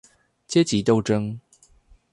階級鬥爭